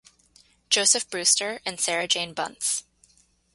Joseph Brewster and Sarah Jane Bunce.